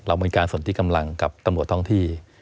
เรามีการสนทิกำลังกับตำรวจท่องที่